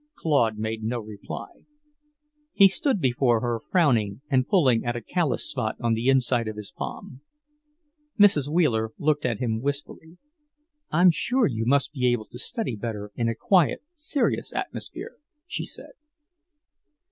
Claude made no reply. He stood before her frowning and pulling at a calloused spot on the inside of his palm. Mrs. Wheeler looked at him wistfully. "I'm sure you must be able to study better in a quiet, serious atmosphere," she said.